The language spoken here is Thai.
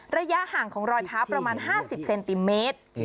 ระยะห่างของรอยเท้าประมาณ๕๐เซนติเมตร